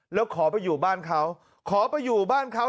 แล้วขอไปอยู่บ้านเขาขอไปอยู่บ้านเขา